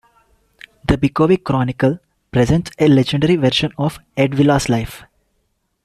The Bychowiec Chronicle presents a legendary version of Erdvilas' life.